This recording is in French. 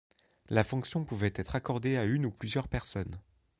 La fonction pouvait être accordée à une ou plusieurs personnes.